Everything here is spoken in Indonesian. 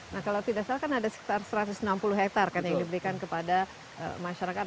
nah kalau tidak salah kan ada sekitar satu ratus enam puluh hektare kan yang diberikan kepada masyarakat